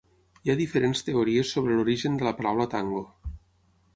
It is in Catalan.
Hi ha diferents teories sobre l'origen de la paraula "tango".